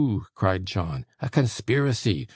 cried John, 'a conspiracy!